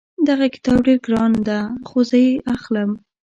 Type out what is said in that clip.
دغه کتاب ډېر ګران ده خو زه یې اخلم